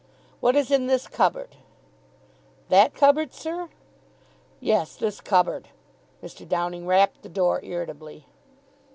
"What is in this cupboard?" "That cupboard, sir?" "Yes. This cupboard." Mr. Downing rapped the door irritably.